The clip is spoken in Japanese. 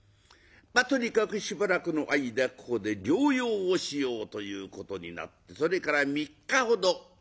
とにかくしばらくの間ここで療養をしようということになってそれから３日ほど。